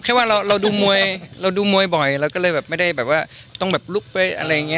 แค่ว่าเราดูมวยบ่อยเราก็เลยไม่ได้ต้องลุกไปอะไรอย่างนี้